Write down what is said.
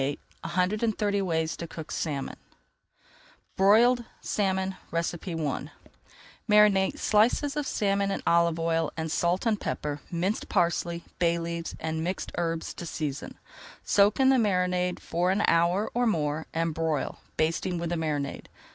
[Page 263] ONE HUNDRED AND THIRTY WAYS TO COOK SALMON BROILED SALMON I Marinate slices of salmon in olive oil with salt and pepper, minced parsley, bay leaves, and mixed herbs to season. Soak in the marinade for an hour or more and broil, basting with the marinade.